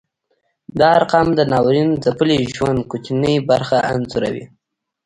دا ارقام د ناورین ځپلي ژوند کوچنۍ برخه انځوروي.